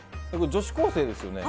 女子高生ですよね。